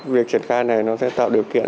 việc triển khai này sẽ tạo điều kiện